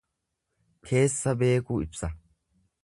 Keessa beekuu ibsa.